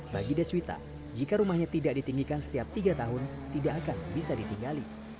bagi deswita jika rumahnya tidak ditinggikan setiap tiga tahun tidak akan bisa ditinggali